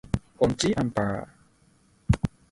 大王饒命呀